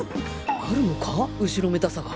あるのか後ろめたさが？